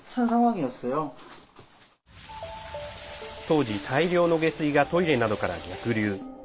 当時、大量の下水がトイレなどから逆流。